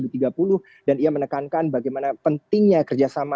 jadi ini menekankan bagaimana pentingnya kerjasama